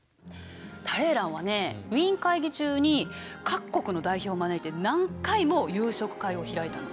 タレーランはねウィーン会議中に各国の代表を招いて何回も夕食会を開いたの。